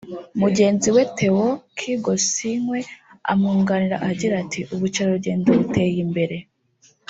Mugenzi we Theo Kgosinkwe amwunganira agira ati “…ubukerarugendo buteye imbere